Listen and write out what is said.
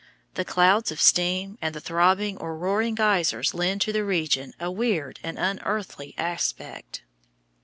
The clouds of steam and the throbbing or roaring geysers lend to the region a weird and unearthly aspect.